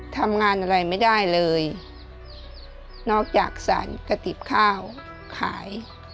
ทำงานอะไรไม่ได้เลยนอกจากสารกระติบข้าวขาย